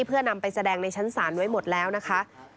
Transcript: เพื่อนำไปแสดงในชั้นศาลไว้หมดแล้วนะคะ